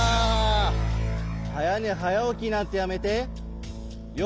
はやねはやおきなんてやめてよ